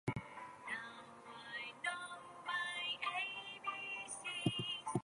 That’s why the Kangaroo’s gender is not clearly definable.